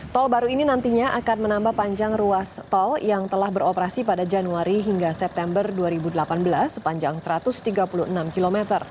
tol baru ini nantinya akan menambah panjang ruas tol yang telah beroperasi pada januari hingga september dua ribu delapan belas sepanjang satu ratus tiga puluh enam km